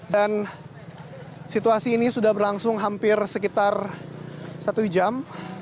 dan situasi ini sudah berlangsung hampir sekitar satu jam